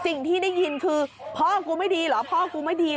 สิ่งที่ได้ยินคือพ่อกูไม่ดีเหรอใช่ไหม